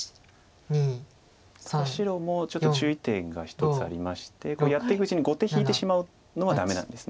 白もちょっと注意点が１つありましてやっていくうちに後手引いてしまうのはダメなんです。